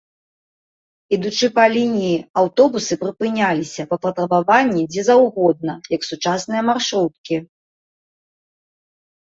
Ідучы па лініі, аўтобусы прыпыняліся па патрабаванні дзе заўгодна, як сучасныя маршруткі.